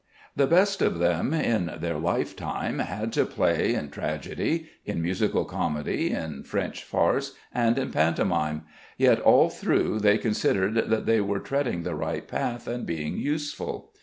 The best of them in their lifetime had to play in tragedy, in musical comedy, in French farce, and in pantomime; yet all through they considered that they were treading the right path and being useful.